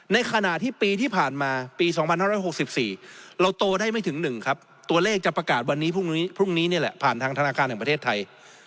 ในขณะที่ปีที่ผ่านมาปี๒๕๖๔เราโตได้ไม่ถึง๑ครับตัวเลขจะประกาศวันนี้พรุ่งนี้นี่แหละผ่านทางธนาคารแห่งประเทศไทย